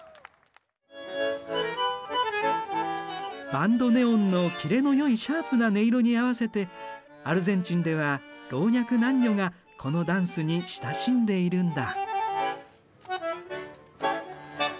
バンドネオンのキレのよいシャープな音色に合わせてアルゼンチンでは老若男女がこのダンスに親しんでいるんだ。